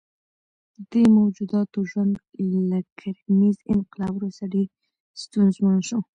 دې موجوداتو ژوند له کرنیز انقلاب وروسته ډېر ستونزمن شو.